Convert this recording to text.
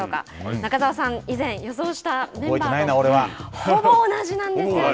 中澤さん、以前予想したメンバーとほぼ同じなんですよね。